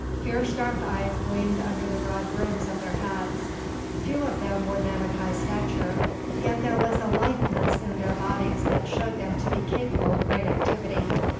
Fierce dark eyes gleamed under the broad brims of their hats. Few of them were men of high stature; yet there was a litheness in their bodies that showed them to be capable of great activity.